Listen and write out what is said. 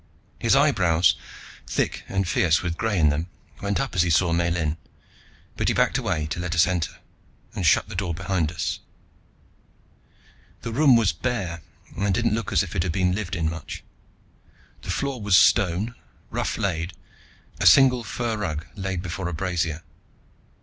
His eyebrows, thick and fierce with gray in them, went up as he saw Miellyn; but he backed away to let us enter, and shut the door behind us. The room was bare and didn't look as if it had been lived in much. The floor was stone, rough laid, a single fur rug laid before a brazier.